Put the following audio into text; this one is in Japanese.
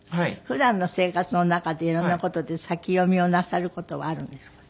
普段の生活の中で色んな事で先読みをなさる事はあるんですか？